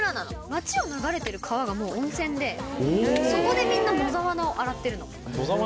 町を流れてる川がもう温泉でそこでみんな野沢菜を洗ってるの。